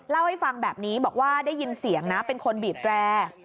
เล่าให้ฟังแบบนี้บอกว่าได้ยินเสียงนะเป็นคนบีบแร่